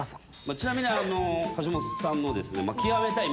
ちなみに橋本さんも。